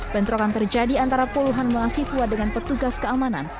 bentrokan terjadi antara puluhan mahasiswa dengan petugas keamanan